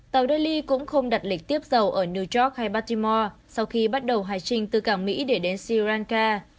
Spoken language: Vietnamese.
tàu delhi cũng không đặt lịch tiếp dầu ở new york hay batimore sau khi bắt đầu hải trình từ cảng mỹ để đến sri lanka